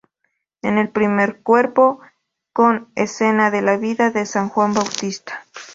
En el primer cuerpo con escenas de la vida de San Juan Bautista.